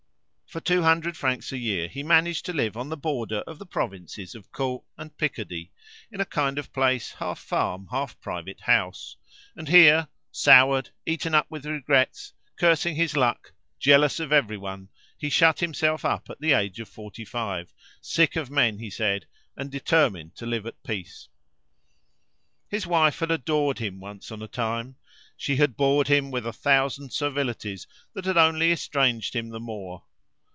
For two hundred francs a year he managed to live on the border of the provinces of Caux and Picardy, in a kind of place half farm, half private house; and here, soured, eaten up with regrets, cursing his luck, jealous of everyone, he shut himself up at the age of forty five, sick of men, he said, and determined to live at peace. His wife had adored him once on a time; she had bored him with a thousand servilities that had only estranged him the more.